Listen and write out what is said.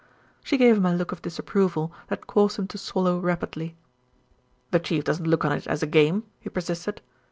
She gave him a look of disapproval that caused him to swallow rapidly. "The Chief doesn't look on it as a game," he persisted.